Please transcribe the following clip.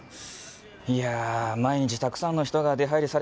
いやあ毎日たくさんの人が出入りされますからね。